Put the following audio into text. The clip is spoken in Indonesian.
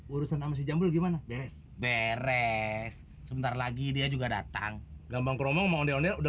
urusan sama si jambul gimana beres beres sebentar lagi dia juga datang gampang keromong mau ondel ondel udah